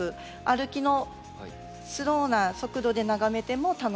歩きのスローな速度で眺めても楽しめる。